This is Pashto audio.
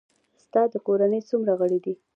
ستا د کورنۍ څومره غړي دي؟